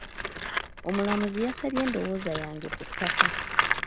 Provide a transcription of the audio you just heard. Omulamuzi yasabye ondowooza yange ku ttaka.